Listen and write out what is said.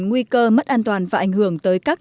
nguy cơ mất an toàn